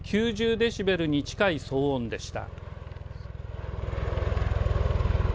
デシベルに近い騒音でした。